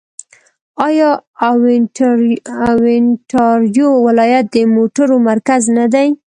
آیا اونټاریو ولایت د موټرو مرکز نه دی؟